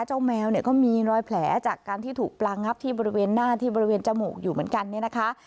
แมวเนี่ยก็มีรอยแผลจากการที่ถูกปลางับที่บริเวณหน้าที่บริเวณจมูกอยู่เหมือนกันเนี่ยนะคะ